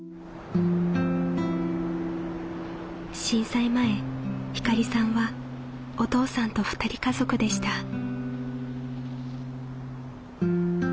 震災前ひかりさんはお父さんと２人家族でした。